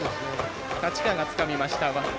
太刀川がつかみました。